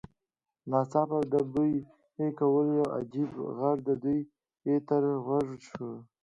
ناڅاپه د بوی کولو یو عجیب غږ د دوی تر غوږ شو